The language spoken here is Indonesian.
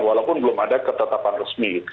walaupun belum ada ketetapan resmi